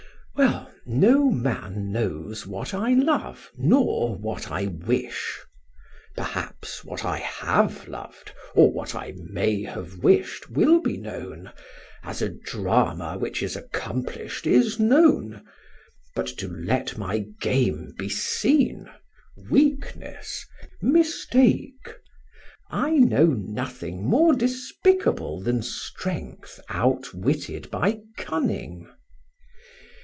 Well, no man knows what I love, nor what I wish. Perhaps what I have loved, or what I may have wished will be known, as a drama which is accomplished is known; but to let my game be seen weakness, mistake! I know nothing more despicable than strength outwitted by cunning.